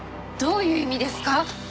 どういう意味ですか？